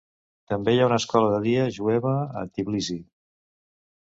També hi ha una escola de dia jueva a Tbilissi.